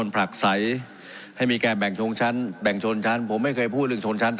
ผมเป็นคนปลักใส